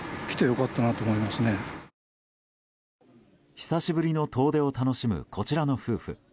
久しぶりの遠出を楽しむこちらの夫婦。